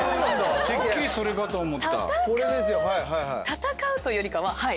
戦うというよりかははい。